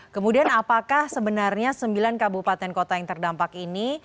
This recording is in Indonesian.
kemudian apakah sebenarnya sembilan kabupaten kota yang terdampak ini